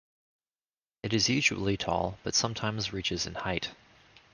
It is usually tall, but sometimes reaches in height.